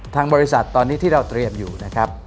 ทางบริษัทตอนนี้ที่เราเตรียมอยู่นะครับ